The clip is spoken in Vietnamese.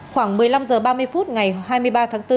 khoảng một mươi năm h ba mươi phút ngày hai mươi ba tháng bốn